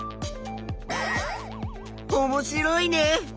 おもしろいね！